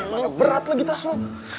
malah berat lagi tas lo